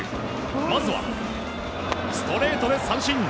まずは、ストレートで三振。